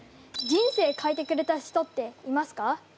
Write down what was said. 人生変えてくれた人っていますか？